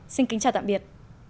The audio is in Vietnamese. xin kính chào tạm biệt